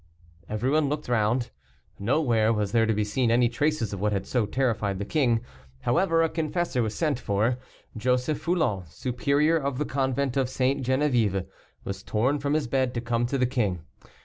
Everyone looked round; nowhere was there to be seen any traces of what had so terrified the king. However, a confessor was sent for; Joseph Foulon, superior of the convent of St. Généviève, was torn from his bed, to come to the king.